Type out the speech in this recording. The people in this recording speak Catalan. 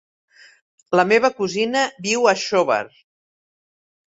La meva cosina viu a Xóvar.